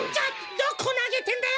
どこなげてんだよ！